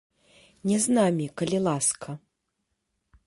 Не з намі, калі ласка.